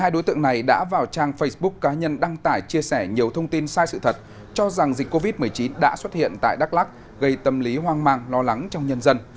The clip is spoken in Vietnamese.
hai đối tượng này đã vào trang facebook cá nhân đăng tải chia sẻ nhiều thông tin sai sự thật cho rằng dịch covid một mươi chín đã xuất hiện tại đắk lắc gây tâm lý hoang mang lo lắng trong nhân dân